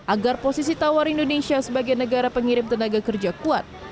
agar posisi tawar indonesia sebagai negara pengirim tenaga kerja kuat